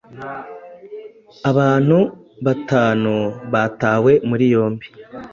Abantu batanu batawe muri yombi,